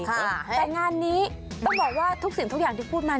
แต่งานนี้ต้องบอกว่าทุกสิ่งทุกอย่างที่พูดมา